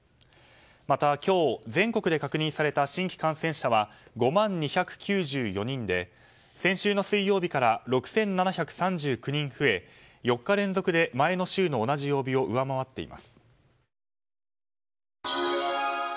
また、今日全国で確認された新規感染者は５万２９４人で先週の水曜日から６７３９人増え４日連続で前の週の同じ曜日を上回っています。